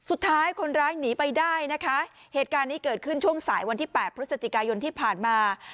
สุดท้ายคนร้ายหนีไปได้นะคะเหตุการณ์นี้เกิดขึ้นช่วงสายวันที่แปดพฤศจิกายนที่ผ่านมา